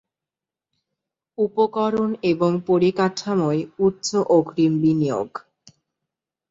উপকরণ এবং পরিকাঠামোয় উচ্চ অগ্রিম বিনিয়োগ।